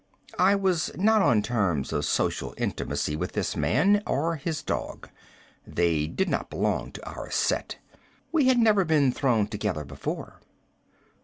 I was not on terms of social intimacy with this man or his dog. They did not belong to our set. We had never been thrown together before.